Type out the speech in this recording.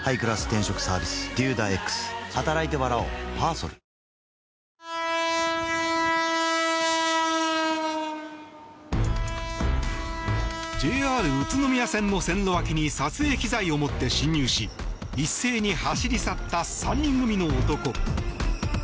損保ジャパンＪＲ宇都宮線の線路脇に撮影機材を持って侵入し一斉に走り去った３人組の男。